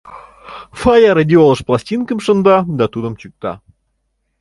— Фая радиолыш пластинкым шында да тудым чӱкта.